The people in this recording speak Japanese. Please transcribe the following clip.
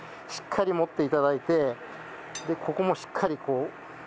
しっかり持って頂いてここもしっかりこう。